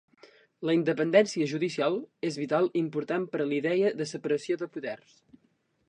La independència judicial és vital i important per a la idea de separació de poders.